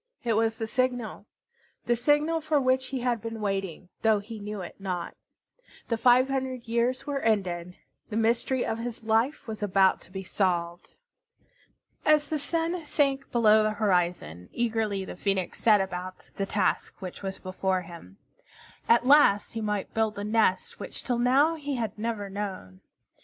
It was the signal, the signal for which he had been waiting, though he knew it not. The five hundred years were ended. The mystery of his life was about to be solved. As the sun sank below the horizon, eagerly the Phoenix set about the task which was before him. At last he might build the nest which till now he had never known.